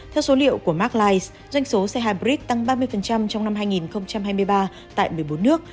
theo số liệu của mark lice doanh số xe hybrid tăng ba mươi trong năm hai nghìn hai mươi ba tại một mươi bốn nước